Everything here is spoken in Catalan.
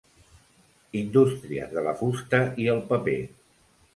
Indústries de la fusta i el paper.